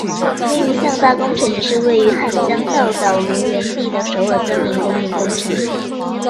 另一项大工程则是位于汉江纛岛游园地的首尔森林公园工程。